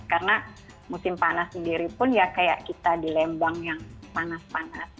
karena musim panas sendiri pun ya kayak kita di lembang yang panas panas